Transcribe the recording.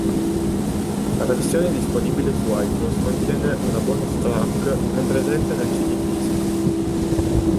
La versione disponibile su iTunes contiene una bonus track non presente nel cd fisico.